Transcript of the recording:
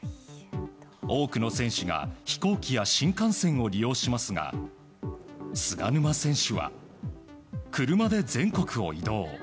多くの選手が飛行機や新幹線を利用しますが菅沼選手は車で全国を移動。